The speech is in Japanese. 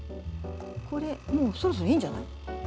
これもうそろそろいいんじゃない？